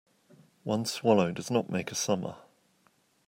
One swallow does not make a summer